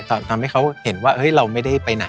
ทำให้เขาเห็นว่าเราไม่ได้ไปไหน